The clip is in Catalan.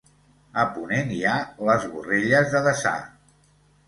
A ponent hi ha les Borrelles de Deçà.